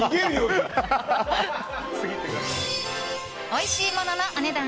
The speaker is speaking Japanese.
おいしいもののお値段